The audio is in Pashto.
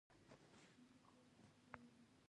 په پای کې مات شوی پفاندر له هندوستانه ووت.